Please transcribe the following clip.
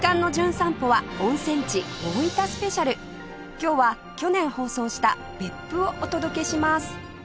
今日は去年放送した別府をお届けします